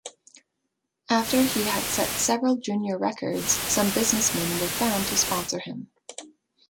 After he had set several junior records, some businessmen were found to sponsor him.